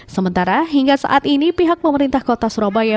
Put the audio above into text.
sementara hingga saat ini pihak pemerintah kota surabaya